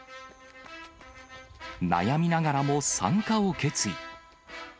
悩みながらも参加を決意。